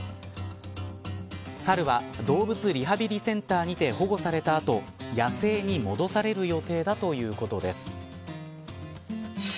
サルは動物リハビリセンターにて保護された後野生に戻される予定だということです。